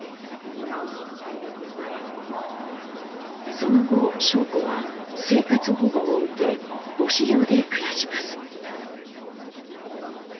その後尚子は生活保護を受け母子寮で暮らします。